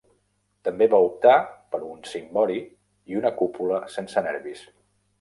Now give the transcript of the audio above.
També va optar per un cimbori i una cúpula sense nervis.